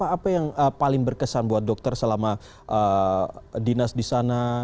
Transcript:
apa yang paling berkesan buat dokter selama dinas di sana